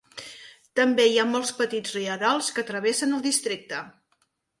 També hi ha molts petits rierols que travessen el districte.